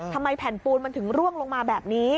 แผ่นปูนมันถึงร่วงลงมาแบบนี้